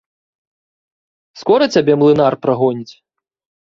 Скора цябе млынар прагоніць?